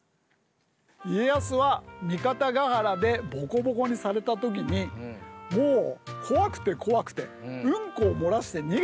家康は三方ヶ原でボコボコにされた時にもう怖くて怖くてうんこを漏らして逃げたっていいます。